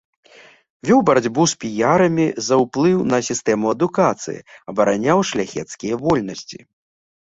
Вёў барацьбу з піярамі за ўплыў на сістэму адукацыі, абараняў шляхецкія вольнасці.